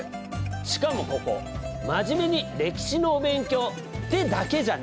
しかもここ真面目に歴史のお勉強ってだけじゃない！